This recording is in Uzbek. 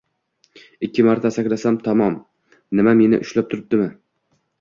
Ikki marta sakrasam – tamom! Nima meni ushlab turibdi?